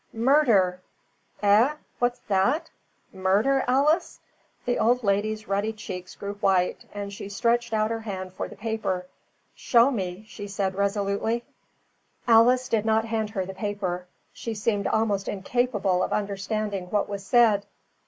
"Murder!" "Eh! What's that? Murder, Alice!" The old lady's ruddy cheeks grew white, and she stretched out her hand for the paper. "Show me!" she said resolutely. Alice did not hand her the paper. She seemed almost incapable of understanding what was said.